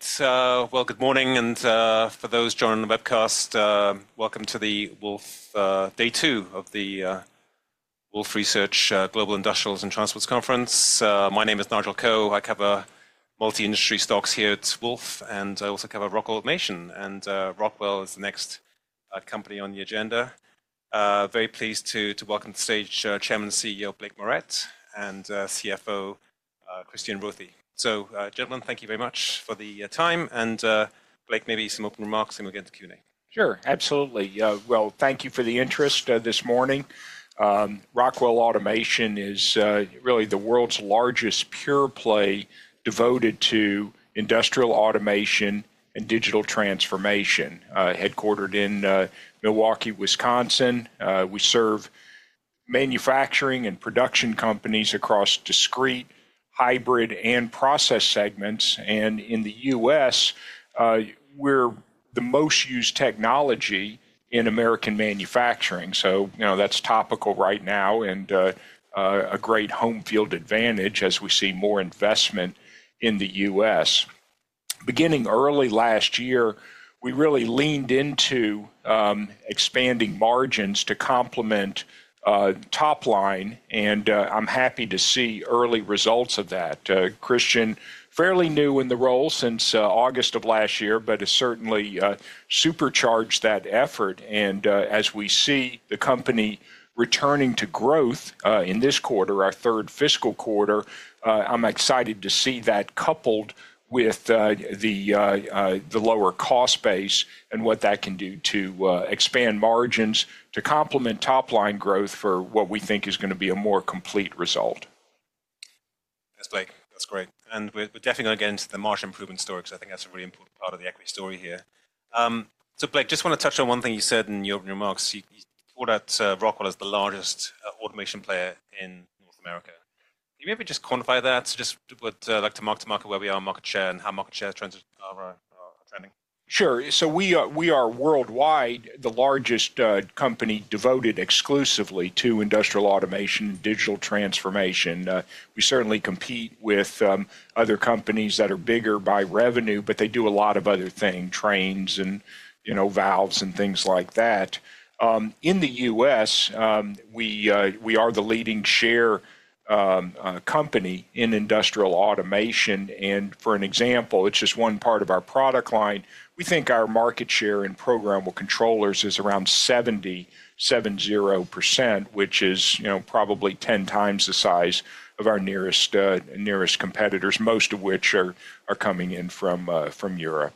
Great. Good morning. For those joining the webcast, welcome to day two of the Wolf Research Global Industrials and Transports Conference. My name is Nigel Coe. I cover multi-industry stocks here at Wolfe, and I also cover Rockwell Automation. Rockwell is the next company on the agenda. Very pleased to welcome to the stage Chairman and CEO Blake Moret and CFO Christian Rothe. Gentlemen, thank you very much for the time. Blake, maybe some open remarks, then we'll get into Q&A. Sure, absolutely. Thank you for the interest this morning. Rockwell Automation is really the world's largest pure play devoted to industrial automation and digital transformation, headquartered in Milwaukee, Wisconsin. We serve manufacturing and production companies across discrete, hybrid, and process segments. In the U.S., we're the most used technology in American manufacturing. That is topical right now and a great home field advantage as we see more investment in the U.S. Beginning early last year, we really leaned into expanding margins to complement top line. I'm happy to see early results of that. Christian, fairly new in the role since August of last year, has certainly supercharged that effort. As we see the company returning to growth in this quarter, our third fiscal quarter, I'm excited to see that coupled with the lower cost base and what that can do to expand margins to complement top line growth for what we think is going to be a more complete result. That's great. We're definitely going to get into the margin improvement story because I think that's a really important part of the equity story here. Blake, just want to touch on one thing you said in your remarks. You called out Rockwell as the largest automation player in North America. Can you maybe just quantify that? Just like to market to market where we are, market share, and how market share trends are trending? Sure. We are worldwide the largest company devoted exclusively to industrial automation and digital transformation. We certainly compete with other companies that are bigger by revenue, but they do a lot of other things, trains and valves and things like that. In the U.S., we are the leading share company in industrial automation. For an example, it is just one part of our product line. We think our market share in programmable controllers is around 70%, which is probably 10 times the size of our nearest competitors, most of which are coming in from Europe.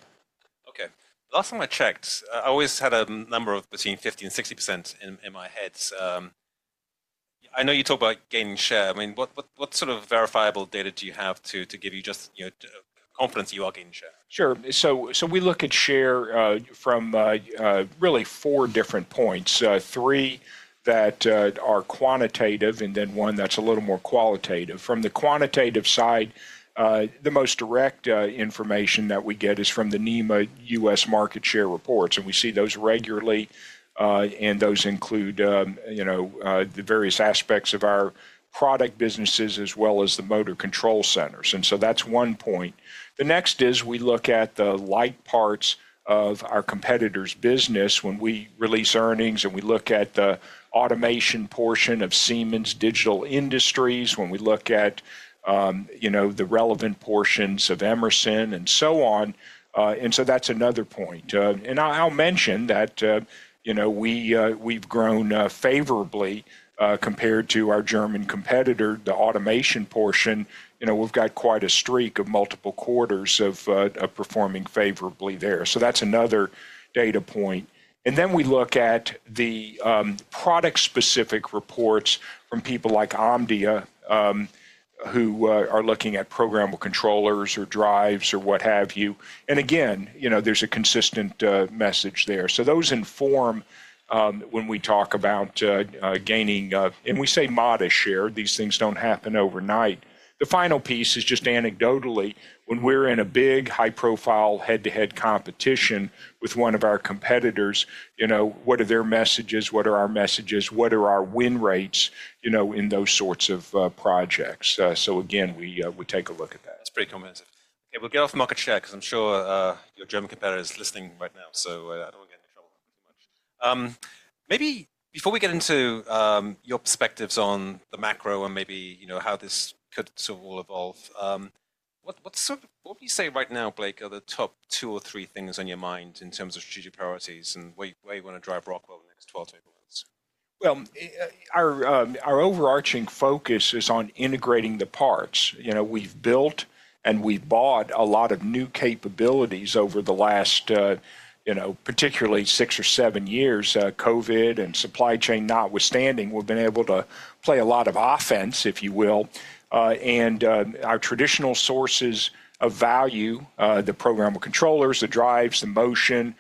Okay. Last time I checked, I always had a number between 50% and 60% in my head. I know you talk about gaining share. I mean, what sort of verifiable data do you have to give you just confidence you are getting share? Sure. We look at share from really four different points. Three that are quantitative and then one that's a little more qualitative. From the quantitative side, the most direct information that we get is from the NEMA US market share reports. We see those regularly. Those include the various aspects of our product businesses as well as the motor control centers. That's one point. The next is we look at the like parts of our competitor's business when we release earnings. We look at the automation portion of Siemens Digital Industries, we look at the relevant portions of Emerson, and so on. That's another point. I'll mention that we've grown favorably compared to our German competitor, the automation portion. We've got quite a streak of multiple quarters of performing favorably there. That's another data point. We look at the product-specific reports from people like Omdia who are looking at programmable controllers or drives or what have you. Again, there is a consistent message there. Those inform when we talk about gaining, and we say modest share. These things do not happen overnight. The final piece is just anecdotally, when we are in a big high-profile head-to-head competition with one of our competitors, what are their messages? What are our messages? What are our win rates in those sorts of projects? Again, we take a look at that. That's pretty comprehensive. Okay. We'll get off market share because I'm sure your German competitor is listening right now. I don't want to get into trouble too much. Maybe before we get into your perspectives on the macro and maybe how this could sort of all evolve, what would you say right now, Blake, are the top two or three things on your mind in terms of strategic priorities and where you want to drive Rockwell in the next 12 to 18 months? Our overarching focus is on integrating the parts. We have built and we have bought a lot of new capabilities over the last, particularly six or seven years, COVID and supply chain notwithstanding, we have been able to play a lot of offense, if you will. Our traditional sources of value, the programmable controllers, the drives, the motion,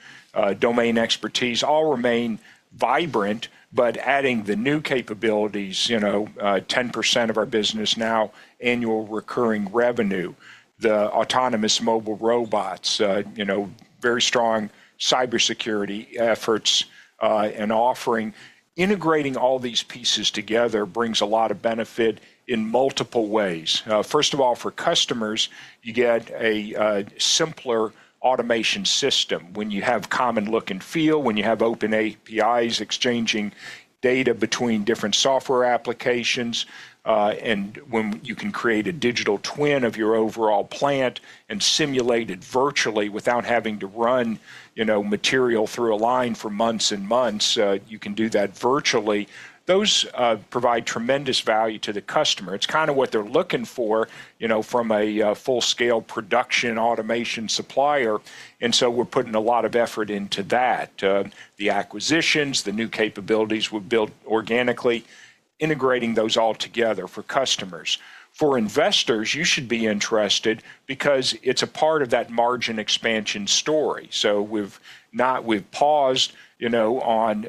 domain expertise all remain vibrant, but adding the new capabilities, 10% of our business now, annual recurring revenue, the autonomous mobile robots, very strong cybersecurity efforts and offering. Integrating all these pieces together brings a lot of benefit in multiple ways. First of all, for customers, you get a simpler automation system when you have common look and feel, when you have open APIs exchanging data between different software applications, and when you can create a digital twin of your overall plant and simulate it virtually without having to run material through a line for months and months. You can do that virtually. Those provide tremendous value to the customer. It's kind of what they're looking for from a full-scale production automation supplier. We are putting a lot of effort into that. The acquisitions, the new capabilities we've built organically, integrating those all together for customers. For investors, you should be interested because it's a part of that margin expansion story. We've not paused on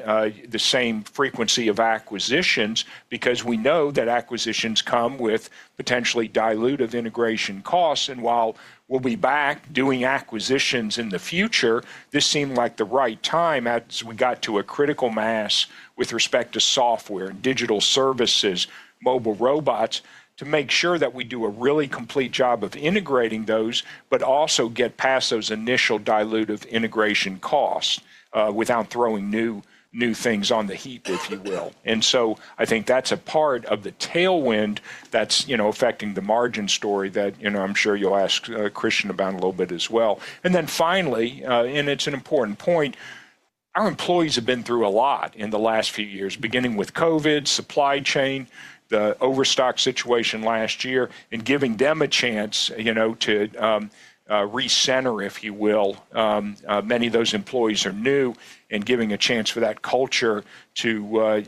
the same frequency of acquisitions because we know that acquisitions come with potentially dilutive integration costs. While we will be back doing acquisitions in the future, this seemed like the right time as we got to a critical mass with respect to software and digital services, mobile robots to make sure that we do a really complete job of integrating those, but also get past those initial dilutive integration costs without throwing new things on the heap, if you will. I think that is a part of the tailwind that is affecting the margin story that I am sure you will ask Christian about a little bit as well. Finally, and it is an important point, our employees have been through a lot in the last few years, beginning with COVID, supply chain, the overstock situation last year, and giving them a chance to recenter, if you will. Many of those employees are new and giving a chance for that culture to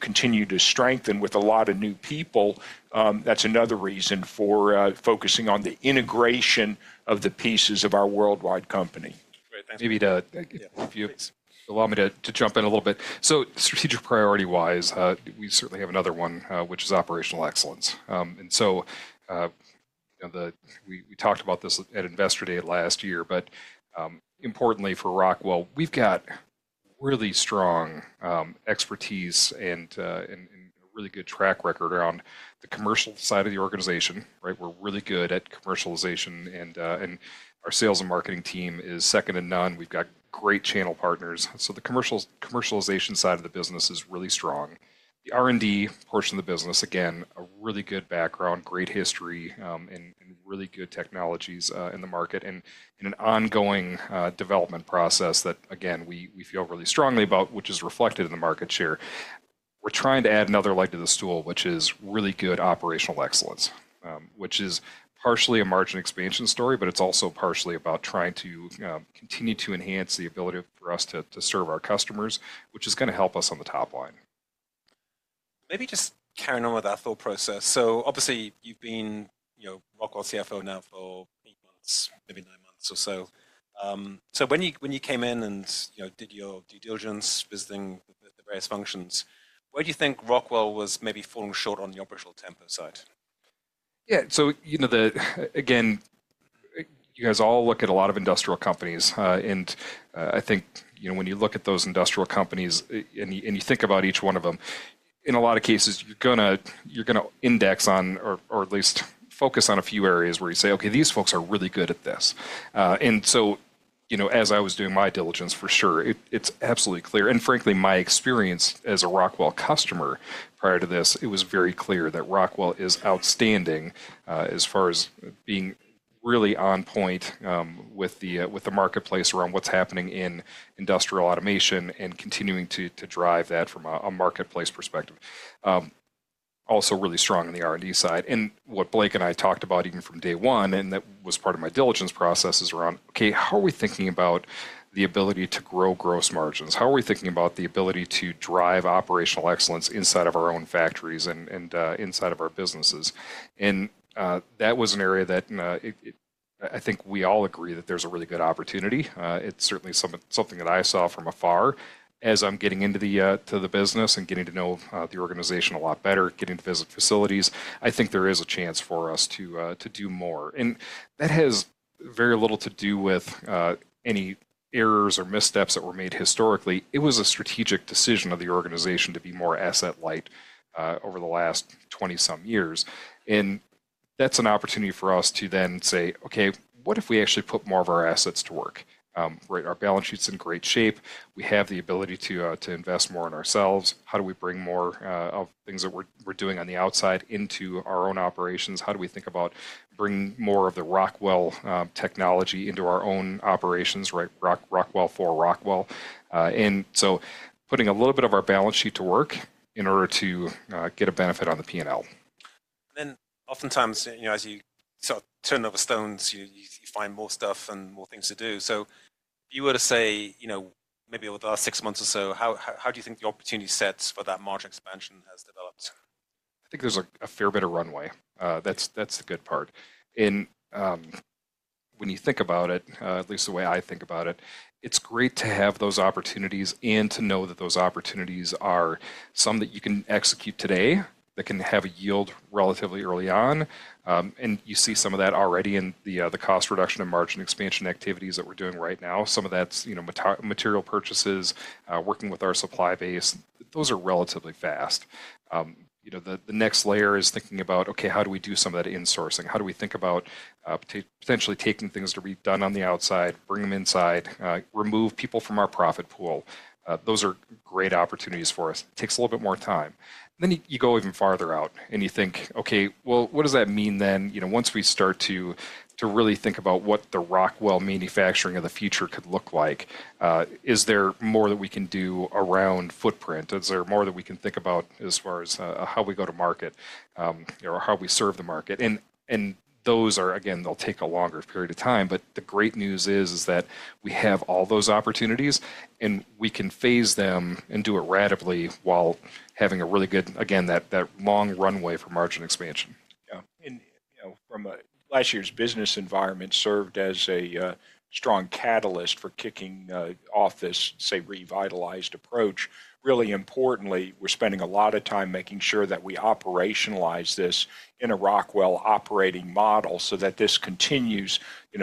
continue to strengthen with a lot of new people. That is another reason for focusing on the integration of the pieces of our worldwide company. Great. Maybe if you allow me to jump in a little bit. Strategic priority-wise, we certainly have another one, which is operational excellence. We talked about this at Investor Day last year, but importantly for Rockwell, we have really strong expertise and a really good track record around the commercial side of the organization. We are really good at commercialization. Our sales and marketing team is second to none. We have great channel partners. The commercialization side of the business is really strong. The R&D portion of the business, again, a really good background, great history, and really good technologies in the market and an ongoing development process that, again, we feel really strongly about, which is reflected in the market share. We're trying to add another leg to the stool, which is really good operational excellence, which is partially a margin expansion story, but it's also partially about trying to continue to enhance the ability for us to serve our customers, which is going to help us on the top line. Maybe just carrying on with our thought process. Obviously, you've been Rockwell CFO now for eight months, maybe nine months or so. When you came in and did your due diligence visiting the various functions, where do you think Rockwell was maybe falling short on the operational tempo side? Yeah. Again, you guys all look at a lot of industrial companies. I think when you look at those industrial companies and you think about each one of them, in a lot of cases, you're going to index on or at least focus on a few areas where you say, "Okay, these folks are really good at this." As I was doing my diligence, for sure, it's absolutely clear. Frankly, my experience as a Rockwell customer prior to this, it was very clear that Rockwell is outstanding as far as being really on point with the marketplace around what's happening in industrial automation and continuing to drive that from a marketplace perspective. Also really strong on the R&D side. What Blake and I talked about even from day one, and that was part of my diligence processes around, "Okay, how are we thinking about the ability to grow gross margins? How are we thinking about the ability to drive operational excellence inside of our own factories and inside of our businesses?" That was an area that I think we all agree that there's a really good opportunity. It's certainly something that I saw from afar. As I'm getting into the business and getting to know the organization a lot better, getting to visit facilities, I think there is a chance for us to do more. That has very little to do with any errors or missteps that were made historically. It was a strategic decision of the organization to be more asset-light over the last 20-some years. That is an opportunity for us to then say, "Okay, what if we actually put more of our assets to work?" Our balance sheet is in great shape. We have the ability to invest more in ourselves. How do we bring more of things that we are doing on the outside into our own operations? How do we think about bringing more of the Rockwell technology into our own operations, Rockwell for Rockwell? Putting a little bit of our balance sheet to work in order to get a benefit on the P&L. Oftentimes, as you sort of turn over stones, you find more stuff and more things to do. If you were to say maybe over the last six months or so, how do you think the opportunity sets for that margin expansion has developed? I think there's a fair bit of runway. That's the good part. When you think about it, at least the way I think about it, it's great to have those opportunities and to know that those opportunities are some that you can execute today that can have a yield relatively early on. You see some of that already in the cost reduction and margin expansion activities that we're doing right now. Some of that's material purchases, working with our supply base. Those are relatively fast. The next layer is thinking about, "Okay, how do we do some of that in-sourcing? How do we think about potentially taking things to be done on the outside, bring them inside, remove people from our profit pool?" Those are great opportunities for us. It takes a little bit more time. You go even farther out and you think, "Okay, well, what does that mean then once we start to really think about what the Rockwell manufacturing of the future could look like? Is there more that we can do around footprint? Is there more that we can think about as far as how we go to market or how we serve the market?" Those are, again, they'll take a longer period of time. The great news is that we have all those opportunities and we can face them and do it radically while having a really good, again, that long runway for margin expansion. Last year's business environment served as a strong catalyst for kicking off this, say, revitalized approach. Really importantly, we're spending a lot of time making sure that we operationalize this in a Rockwell operating model so that this continues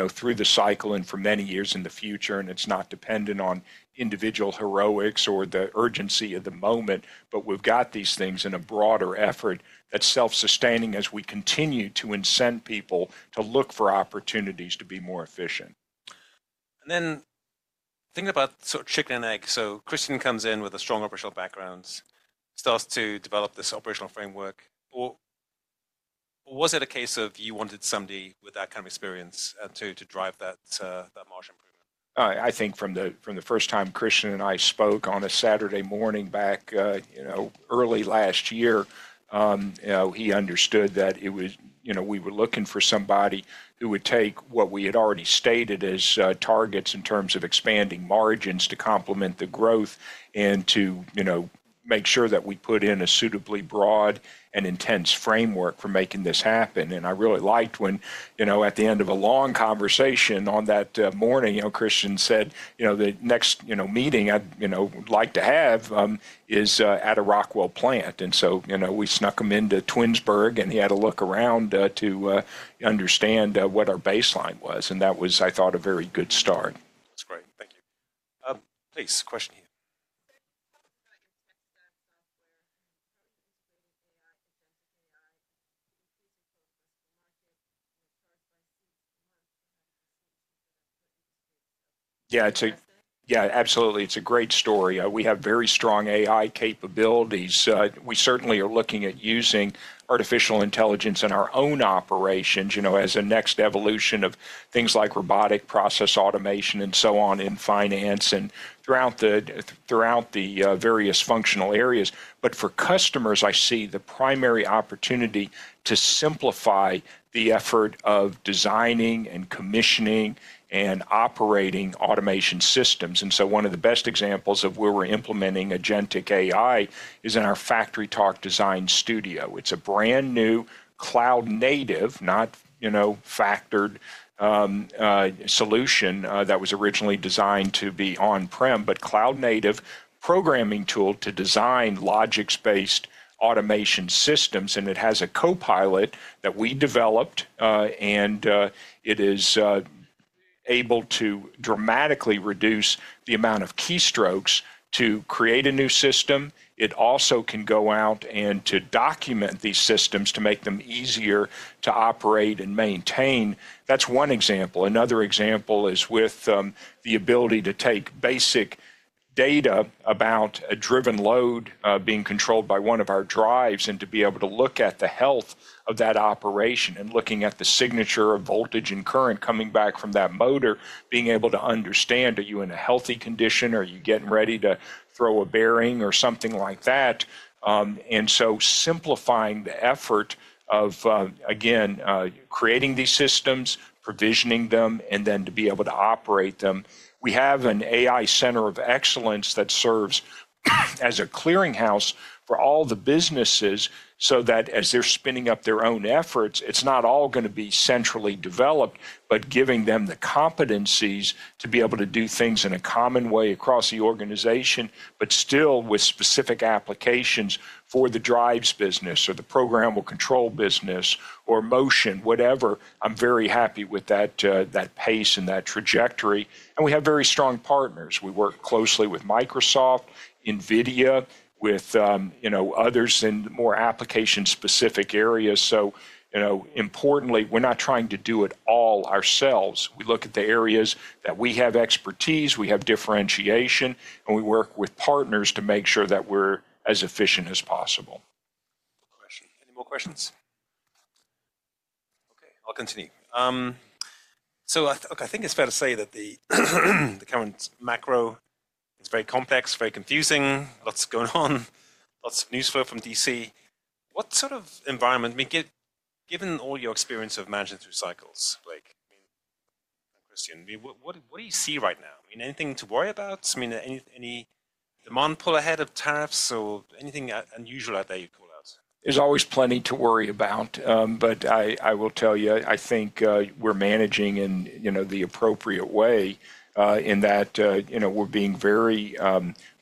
through the cycle and for many years in the future. It's not dependent on individual heroics or the urgency of the moment, but we've got these things in a broader effort that's self-sustaining as we continue to incent people to look for opportunities to be more efficient. Thinking about sort of chicken and egg. Christian comes in with a strong operational background, starts to develop this operational framework. Was it a case of you wanted somebody with that kind of experience to drive that margin improvement? I think from the first time Christian and I spoke on a Saturday morning back early last year, he understood that we were looking for somebody who would take what we had already stated as targets in terms of expanding margins to complement the growth and to make sure that we put in a suitably broad and intense framework for making this happen. I really liked when at the end of a long conversation on that morning, Christian said, "The next meeting I'd like to have is at a Rockwell plant." We snuck him into Twinsburg and he had a look around to understand what our baseline was. That was, I thought, a very good start. That's great. Thank you. Please, question here. How do you integrate AI, agentic AI, to increase the total risk of the market charged by CEOs per month for having a solution for that per industry? Yeah, absolutely. It's a great story. We have very strong AI capabilities. We certainly are looking at using artificial intelligence in our own operations as a next evolution of things like robotic process automation and so on in finance and throughout the various functional areas. For customers, I see the primary opportunity to simplify the effort of designing and commissioning and operating automation systems. One of the best examples of where we're implementing agentic AI is in our FactoryTalk Design Studio. It's a brand new cloud-native, not factored solution that was originally designed to be on-prem, but cloud-native programming tool to design logics-based automation systems. It has a copilot that we developed, and it is able to dramatically reduce the amount of keystrokes to create a new system. It also can go out and document these systems to make them easier to operate and maintain. That's one example. Another example is with the ability to take basic data about a driven load being controlled by one of our drives and to be able to look at the health of that operation and looking at the signature of voltage and current coming back from that motor, being able to understand, are you in a healthy condition, are you getting ready to throw a bearing or something like that. Simplifying the effort of, again, creating these systems, provisioning them, and then to be able to operate them. We have an AI center of excellence that serves as a clearinghouse for all the businesses so that as they're spinning up their own efforts, it's not all going to be centrally developed, but giving them the competencies to be able to do things in a common way across the organization, but still with specific applications for the drives business or the programmable control business or motion, whatever. I'm very happy with that pace and that trajectory. We have very strong partners. We work closely with Microsoft, NVIDIA, with others in more application-specific areas. Importantly, we're not trying to do it all ourselves. We look at the areas that we have expertise, we have differentiation, and we work with partners to make sure that we're as efficient as possible. Any more questions? Okay, I'll continue. I think it's fair to say that the current macro is very complex, very confusing, lots going on, lots of news flow from DC. What sort of environment, given all your experience of management through cycles, Blake and Christian, what do you see right now? Anything to worry about? Any demand pull ahead of tariffs or anything unusual out there you call out? There's always plenty to worry about, but I will tell you, I think we're managing in the appropriate way in that we're being very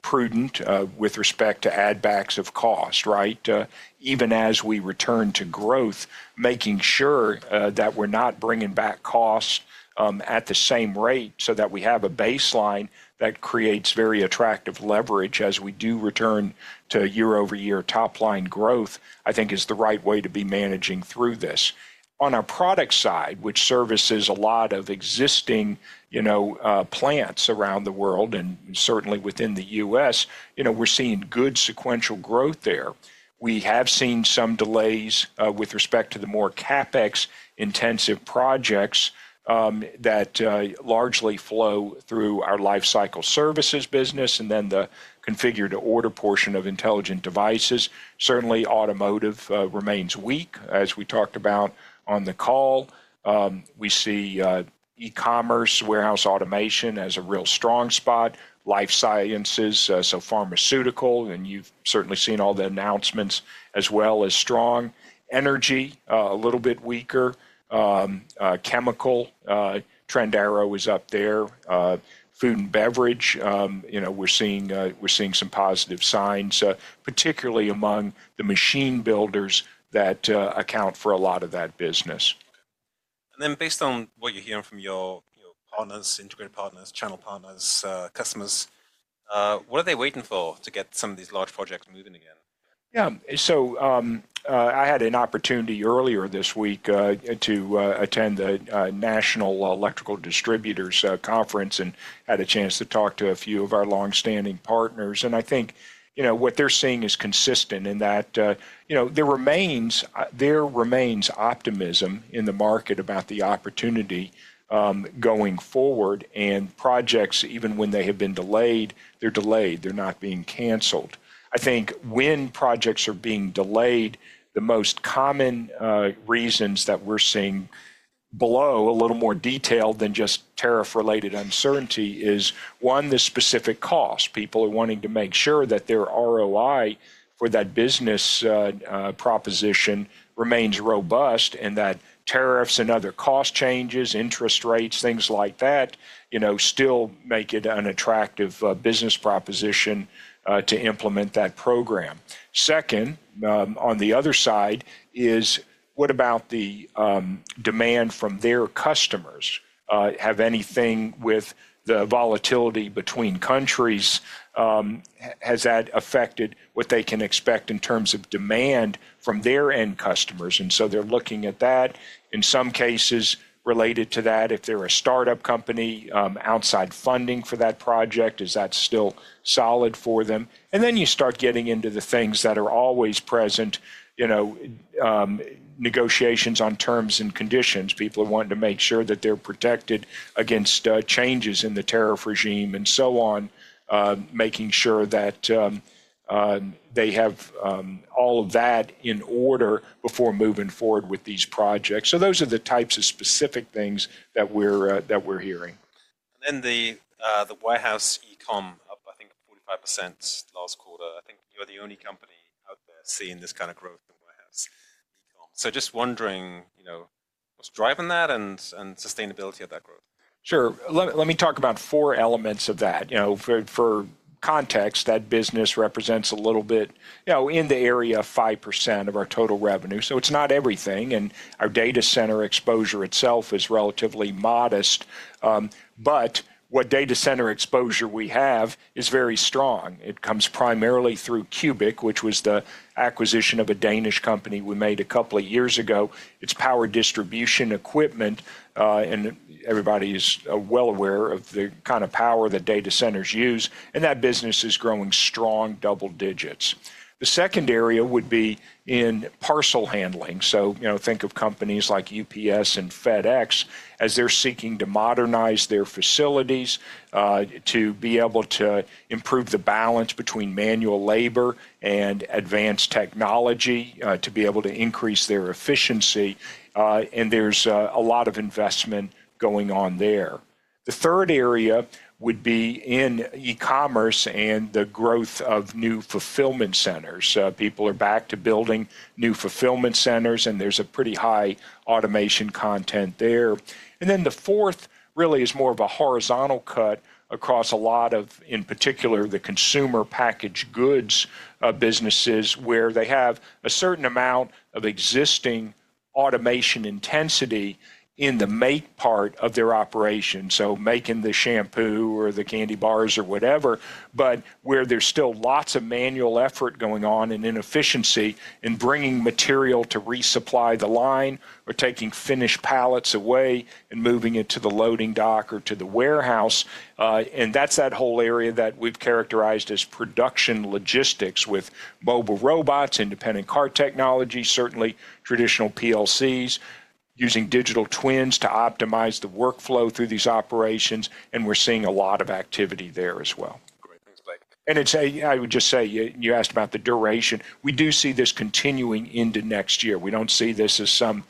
prudent with respect to add-backs of cost, right? Even as we return to growth, making sure that we're not bringing back costs at the same rate so that we have a baseline that creates very attractive leverage as we do return to year-over-year top-line growth, I think is the right way to be managing through this. On our product side, which services a lot of existing plants around the world and certainly within the U.S., we're seeing good sequential growth there. We have seen some delays with respect to the more CapEx-intensive projects that largely flow through our life cycle services business and then the configured order portion of intelligent devices. Certainly, automotive remains weak, as we talked about on the call. We see e-commerce, warehouse automation as a real strong spot, life sciences, so pharmaceutical, and you've certainly seen all the announcements as well as strong energy, a little bit weaker. Chemical, Trendarrow is up there. Food and beverage, we're seeing some positive signs, particularly among the machine builders that account for a lot of that business. Based on what you're hearing from your partners, integrated partners, channel partners, customers, what are they waiting for to get some of these large projects moving again? Yeah. I had an opportunity earlier this week to attend the National Electrical Distributors Conference and had a chance to talk to a few of our longstanding partners. I think what they're seeing is consistent in that there remains optimism in the market about the opportunity going forward. Projects, even when they have been delayed, they're delayed. They're not being canceled. I think when projects are being delayed, the most common reasons that we're seeing, below a little more detail than just tariff-related uncertainty, is, one, the specific cost. People are wanting to make sure that their ROI for that business proposition remains robust and that tariffs and other cost changes, interest rates, things like that still make it an attractive business proposition to implement that program. Second, on the other side is what about the demand from their customers? Have anything with the volatility between countries, has that affected what they can expect in terms of demand from their end customers? They are looking at that. In some cases related to that, if they are a startup company, outside funding for that project, is that still solid for them? You start getting into the things that are always present, negotiations on terms and conditions. People are wanting to make sure that they are protected against changes in the tariff regime and so on, making sure that they have all of that in order before moving forward with these projects. Those are the types of specific things that we are hearing. The White House e-comm, I think 45% last quarter. I think you're the only company out there seeing this kind of growth in White House e-comm. Just wondering, what's driving that and sustainability of that growth? Sure. Let me talk about four elements of that. For context, that business represents a little bit in the area of 5% of our total revenue. It is not everything. Our data center exposure itself is relatively modest, but what data center exposure we have is very strong. It comes primarily through QubiQ, which was the acquisition of a Danish company we made a couple of years ago. It is power distribution equipment, and everybody is well aware of the kind of power that data centers use. That business is growing strong double digits. The second area would be in parcel handling. Think of companies like UPS and FedEx as they are seeking to modernize their facilities to be able to improve the balance between manual labor and advanced technology to be able to increase their efficiency. There is a lot of investment going on there. The third area would be in e-commerce and the growth of new fulfillment centers. People are back to building new fulfillment centers, and there's a pretty high automation content there. The fourth really is more of a horizontal cut across a lot of, in particular, the consumer package goods businesses where they have a certain amount of existing automation intensity in the make part of their operation. Making the shampoo or the candy bars or whatever, but where there's still lots of manual effort going on and inefficiency in bringing material to resupply the line or taking finished pallets away and moving it to the loading dock or to the warehouse. That's that whole area that we've characterized as production logistics with mobile robots, independent cart technology, certainly traditional PLCs, using digital twins to optimize the workflow through these operations. We're seeing a lot of activity there as well. Great. Thanks, Blake. I would just say, you asked about the duration. We do see this continuing into next year. We do not see this as some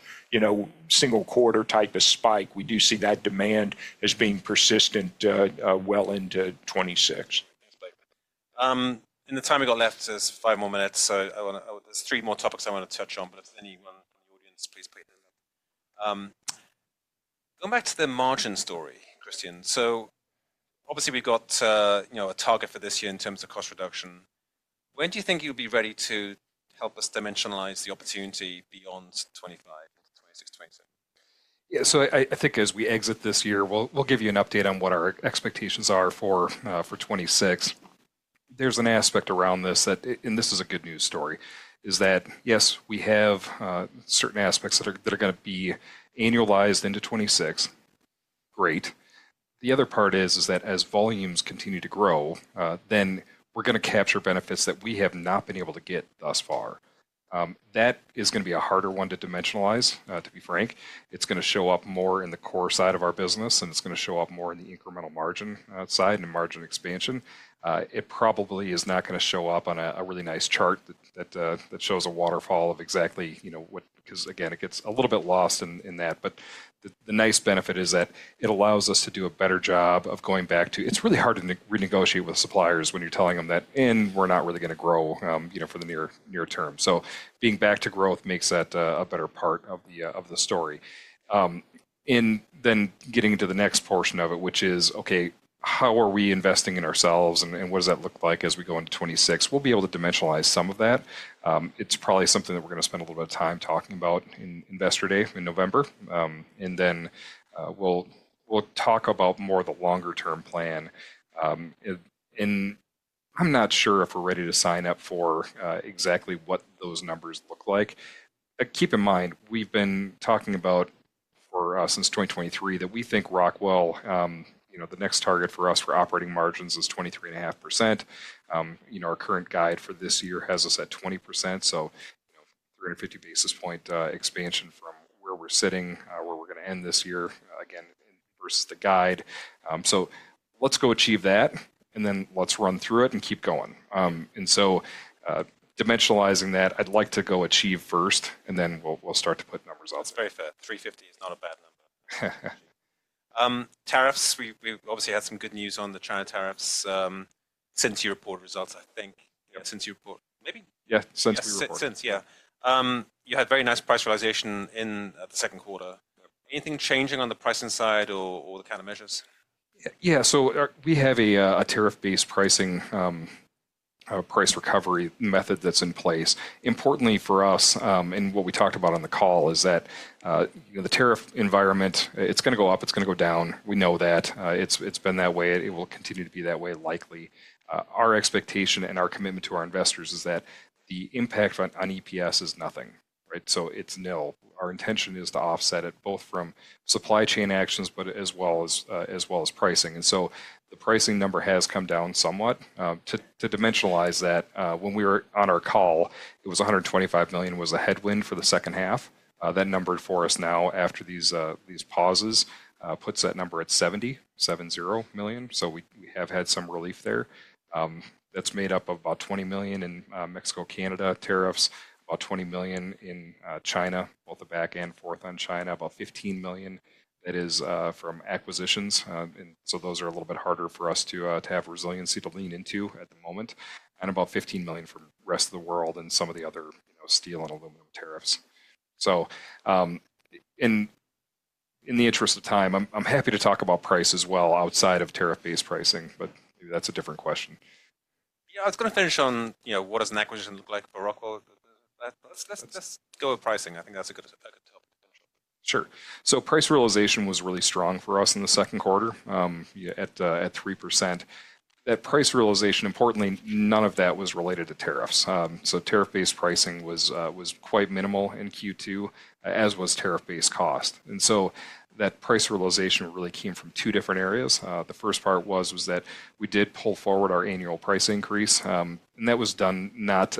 single quarter type of spike. We do see that demand as being persistent well into 2026. In the time we got left, there's five more minutes. There are three more topics I want to touch on, but if there's anyone in the audience, please put your hand up. Going back to the margin story, Christian, obviously we've got a target for this year in terms of cost reduction. When do you think you'll be ready to help us dimensionalize the opportunity beyond 2025, 2026, 2027? Yeah, so I think as we exit this year, we'll give you an update on what our expectations are for 2026. There's an aspect around this that, and this is a good news story, is that yes, we have certain aspects that are going to be annualized into 2026. Great. The other part is that as volumes continue to grow, then we're going to capture benefits that we have not been able to get thus far. That is going to be a harder one to dimensionalize, to be frank. It's going to show up more in the core side of our business, and it's going to show up more in the incremental margin side and margin expansion. It probably is not going to show up on a really nice chart that shows a waterfall of exactly what, because again, it gets a little bit lost in that. The nice benefit is that it allows us to do a better job of going back to, it's really hard to renegotiate with suppliers when you're telling them that, and we're not really going to grow for the near term. Being back to growth makes that a better part of the story. Then getting into the next portion of it, which is, okay, how are we investing in ourselves and what does that look like as we go into 2026? We'll be able to dimensionalize some of that. It's probably something that we're going to spend a little bit of time talking about in investor day in November. Then we'll talk about more of the longer-term plan. I'm not sure if we're ready to sign up for exactly what those numbers look like. Keep in mind, we've been talking about for us since 2023 that we think Rockwell, the next target for us for operating margins is 23.5%. Our current guide for this year has us at 20%. So 350 basis point expansion from where we're sitting, where we're going to end this year, again, versus the guide. Let's go achieve that, and then let's run through it and keep going. Dimensionalizing that, I'd like to go achieve first, and then we'll start to put numbers out there. 350 is not a bad number. Tariffs, we obviously had some good news on the China tariffs since you reported results, I think, since you reported, maybe? Yeah, since we reported. Since, yeah. You had very nice price realization in the second quarter. Anything changing on the pricing side or the kind of measures? Yeah, so we have a tariff-based pricing price recovery method that's in place. Importantly for us, and what we talked about on the call is that the tariff environment, it's going to go up, it's going to go down. We know that. It's been that way. It will continue to be that way likely. Our expectation and our commitment to our investors is that the impact on EPS is nothing, right? So it's nil. Our intention is to offset it both from supply chain actions, but as well as pricing. And so the pricing number has come down somewhat. To dimensionalize that, when we were on our call, it was $125 million was a headwind for the second half. That number for us now after these pauses puts that number at $70 million, $70 million. So we have had some relief there. That's made up of about $20 million in Mexico, Canada tariffs, about $20 million in China, both the back and forth on China, about $15 million that is from acquisitions. Those are a little bit harder for us to have resiliency to lean into at the moment. And about $15 million from the rest of the world and some of the other steel and aluminum tariffs. In the interest of time, I'm happy to talk about price as well outside of tariff-based pricing, but maybe that's a different question. Yeah, I was going to finish on what does an acquisition look like for Rockwell. Let's go with pricing. I think that's a good topic. Sure. Price realization was really strong for us in the second quarter at 3%. That price realization, importantly, none of that was related to tariffs. Tariff-based pricing was quite minimal in Q2, as was tariff-based cost. That price realization really came from two different areas. The first part was that we did pull forward our annual price increase. That was done not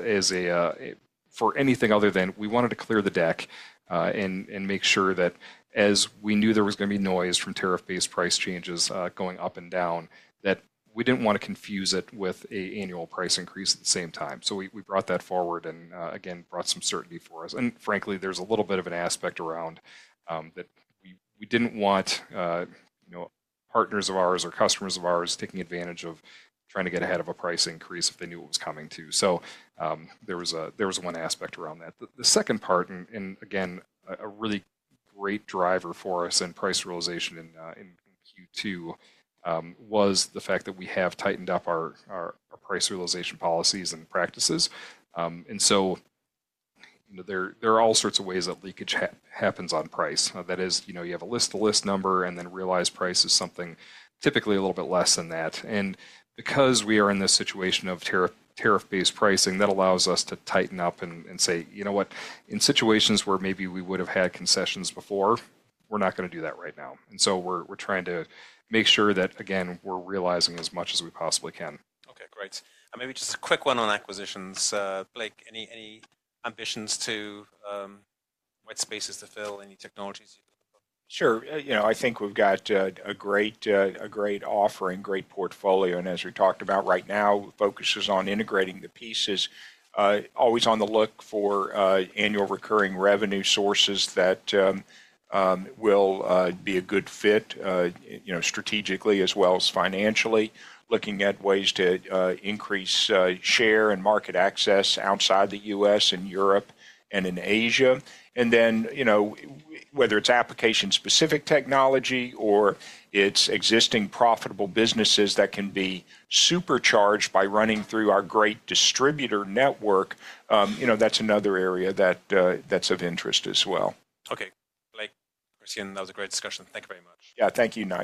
for anything other than we wanted to clear the deck and make sure that as we knew there was going to be noise from tariff-based price changes going up and down, we did not want to confuse it with an annual price increase at the same time. We brought that forward and again, brought some certainty for us. Frankly, there is a little bit of an aspect around that we did not want partners of ours or customers of ours taking advantage of trying to get ahead of a price increase if they knew what was coming too. There was one aspect around that. The second part, and again, a really great driver for us in price realization in Q2 was the fact that we have tightened up our price realization policies and practices. There are all sorts of ways that leakage happens on price. That is, you have a list-to-list number, and then realized price is something typically a little bit less than that. Because we are in this situation of tariff-based pricing, that allows us to tighten up and say, you know what, in situations where maybe we would have had concessions before, we are not going to do that right now. We're trying to make sure that, again, we're realizing as much as we possibly can. Okay, great. Maybe just a quick one on acquisitions. Blake, any ambitions to white spaces to fill, any technologies? Sure. You know, I think we've got a great offering, great portfolio. As we talked about, right now, focuses on integrating the pieces, always on the look for annual recurring revenue sources that will be a good fit strategically as well as financially, looking at ways to increase share and market access outside the U.S. and Europe and in Asia. Whether it's application-specific technology or it's existing profitable businesses that can be supercharged by running through our great distributor network, that's another area that's of interest as well. Okay. Blake, Christian, that was a great discussion. Thank you very much. Yeah, thank you.